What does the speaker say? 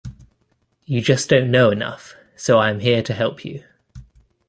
You just don't know enough, so I am here to help you.